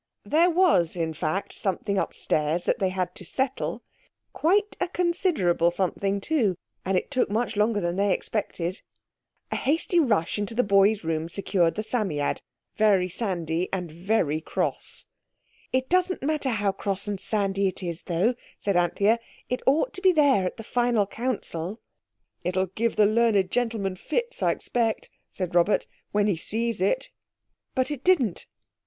There was, in fact, something upstairs that they had to settle. Quite a considerable something, too. And it took much longer than they expected. A hasty rush into the boys' room secured the Psammead, very sandy and very cross. "It doesn't matter how cross and sandy it is though," said Anthea, "it ought to be there at the final council." "It'll give the learned gentleman fits, I expect," said Robert, "when he sees it." But it didn't.